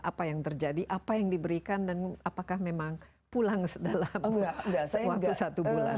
apa yang terjadi apa yang diberikan dan apakah memang pulang dalam waktu satu bulan